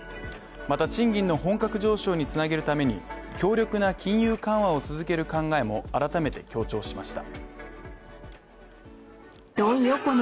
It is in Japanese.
また賃金の本格上昇に繋げるために強力な金融緩和を続ける考えも改めて強調しました。